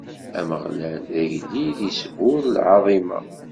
Ameɣlal, d agellid, isburr lɛaḍima.